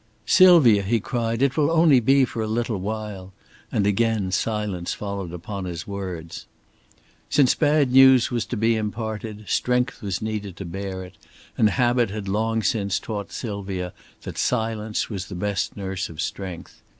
"Sylvia," he cried, "it will only be for a little while"; and again silence followed upon his words. Since bad news was to be imparted, strength was needed to bear it; and habit had long since taught Sylvia that silence was the best nurse of strength.